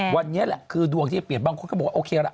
วันนี้แหละคือดวงที่จะเปลี่ยนบางคนก็บอกว่าโอเคละ